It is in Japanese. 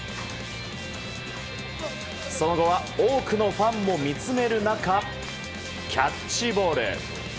その後は多くのファンも見つめる中、キャッチボール。